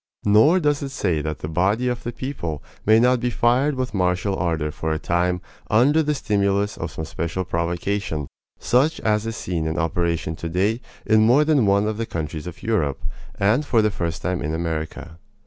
Nor does it say that the body of the people may not be fired with martial ardor for a time under the stimulus of some special provocation, such as is seen in operation today in more than one of the countries of Europe, and for the time in America.